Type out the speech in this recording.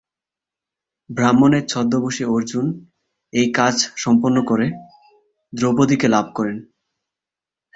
ব্রাহ্মণের ছদ্মবেশী অর্জুন এই কাজ সম্পন্ন করে দ্রৌপদীকে লাভ করেন।